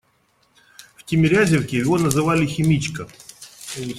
В Тимирязевке его называли «Химичка».